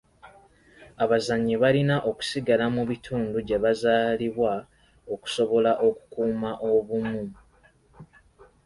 Abazannyi balina okusigala mu bitundu gye bazaalibwa okusobola okukuuma obumu.